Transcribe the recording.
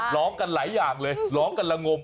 ร้องกันหลายอย่างเลยร้องกันละงม